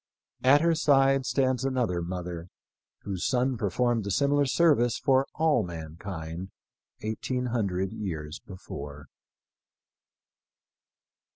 At her side stands another Mother whose son performed a similar ser vice for all mankind eighteen hundred years before.